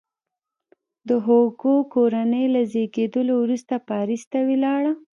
د هوګو کورنۍ له زیږېدلو وروسته پاریس ته ولاړه.